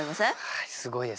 はいすごいです。